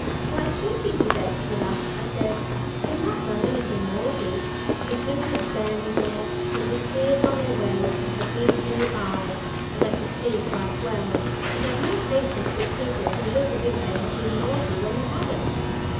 "Why should he be vexed with us?" I said. "We've not done anything naughty;" for Tib was standing there with the tears on their way to her big blue eyes, as I could see quite well and I've no patience with people who look as if they had been naughty when they haven't.